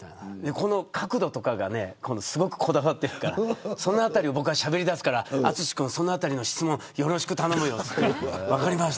この角度とかがねすごくこだわってるからそのあたりを僕がしゃべりだすから淳君、そのあたりの質問よろしく頼むよって。